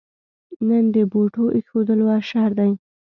نن د بوټو اېښودلو اشر دی.